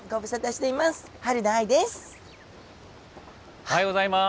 おはようございます。